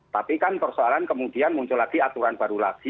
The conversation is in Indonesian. tapi kan persoalan kemudian muncul lagi aturan baru lagi